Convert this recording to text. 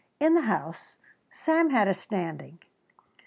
In the house Sam had a standing.